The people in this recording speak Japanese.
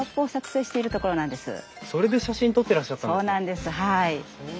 そうなんですはい。